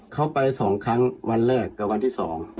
เขาไป๒ครั้งวันแรกกับวันที่๒